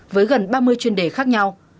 với gần ba mươi chuyên đề khác nhau